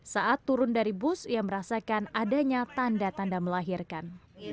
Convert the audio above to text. saat turun dari bus ia merasakan adanya tanda tanda melahirkan